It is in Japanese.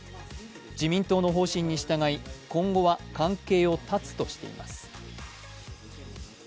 自民党の方針に従い、今後は関係を絶つとしています。